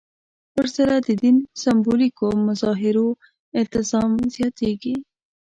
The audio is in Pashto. ورسره د دین سېمبولیکو مظاهرو التزام زیاتېږي.